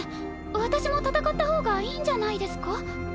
私も戦った方がいいんじゃないですか？